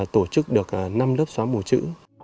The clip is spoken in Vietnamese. tổ chức được năm lớp xóa mù chữ